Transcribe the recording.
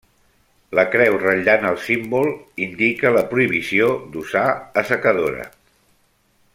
La creu ratllant el símbol indica la prohibició d'usar assecadora.